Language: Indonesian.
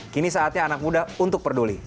kini saatnya anak muda untuk peduli